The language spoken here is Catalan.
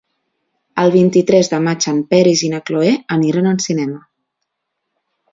El vint-i-tres de maig en Peris i na Cloè iran al cinema.